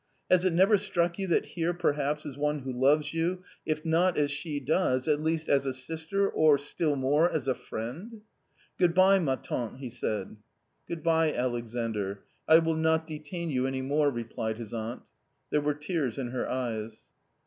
Has it never struck you that here perhaps is one who loves you, if not as she does, at least as a sister or, still more, as a friend?" "Good bye, ma tante " he said. " Good bye, Alexandr, I will not detain you any more," replied his aunt. There were tears in her eyes.